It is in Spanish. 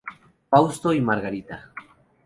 Fausto y Margarita